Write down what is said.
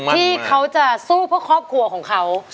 ที่เขาจะสู้เพื่อครอบครัวของเขา